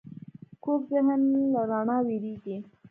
کوږ ذهن له رڼا وېرېږي